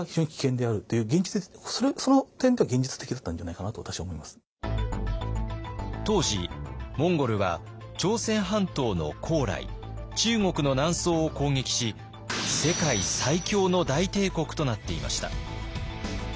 かといって当時モンゴルは朝鮮半島の高麗中国の南宋を攻撃し世界最強の大帝国となっていました。